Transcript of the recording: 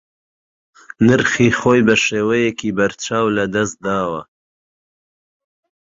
نرخی خۆی بە شێوەیەکی بەرچاو لەدەست داوە